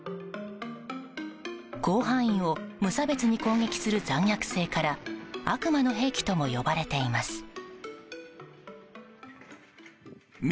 広範囲を無差別に攻撃する残虐性から悪魔の兵器とも呼ばれています。